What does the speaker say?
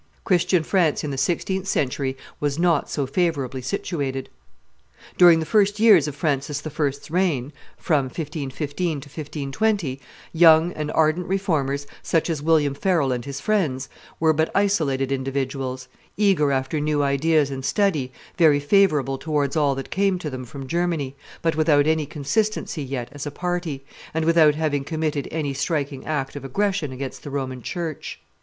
Christian France in the sixteenth century was not so favorably situated. During the first years of Francis I.'s reign (from 1515 to 1520) young and ardent Reformers, such as William Farel and his friends, were but isolated individuals, eager after new ideas and studies, very favorable towards all that came to them from Germany, but without any consistency yet as a party, and without having committed any striking act of aggression against the Roman church.